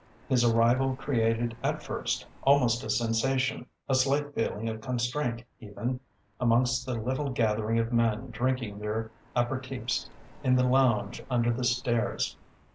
His arrival created at first almost a sensation, a slight feeling of constraint even, amongst the little gathering of men drinking their apéritifs in the lounge under the stairs.